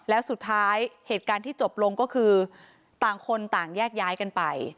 แล้วสุดท้ายเหตุการณ์ที่จบลงก็คือต่างคนต่างแยกย้ายกันไป